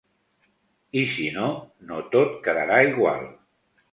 I si no, no tot quedarà igual.